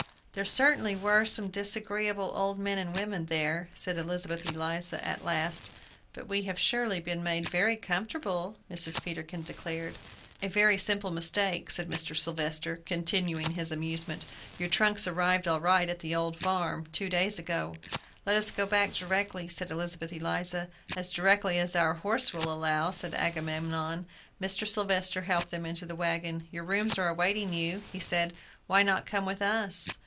"There certainly were some disagreeable old men and women there!" said Elizabeth Eliza, at last. "But we have surely been made very comfortable," Mrs. Peterkin declared. "A very simple mistake," said Mr. Sylvester, continuing his amusement. "Your trunks arrived all right at the 'Old Farm,' two days ago." "Let us go back directly," said Elizabeth Eliza. "As directly as our horse will allow," said Agamemnon. Mr. Sylvester helped them into the wagon. "Your rooms are awaiting you," he said. "Why not come with us?"